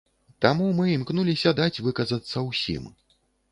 Таму мы імкнуліся даць выказацца ўсім.